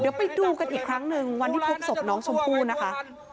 เดี๋ยวไปดูกันอีกครั้งหนึ่งวันที่พบศพน้องชมพู่นะคะ